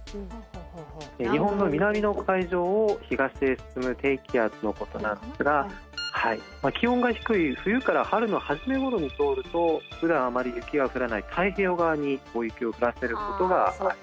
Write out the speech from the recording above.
日本の南の海上を東へ進む低気圧のことなんですが気温が低い冬から春の初め頃に通るとふだんあまり雪が降らない太平洋側に大雪を降らせることが。